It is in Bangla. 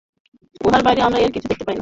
উহার বাহিরে আমরা আর কিছু দেখিতে পাই না।